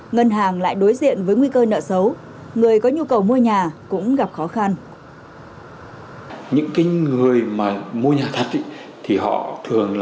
ngân hàng lại đối diện với nguy cơ nợ xấu người có nhu cầu mua nhà cũng gặp khó khăn